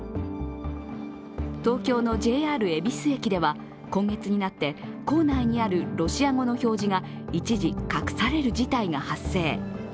東京のＪＲ恵比寿駅では今月になって構内にあるロシア語の表示が一時隠される事態が発生。